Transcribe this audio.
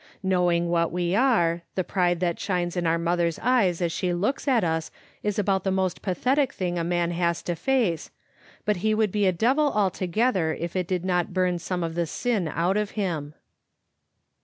Knowing what we are, the pride that shines in our mother's eyes as she looks at us is about the most pa thetic thing a man has to face, but he would be a devil altogether if it did not bum some of the sin out of him.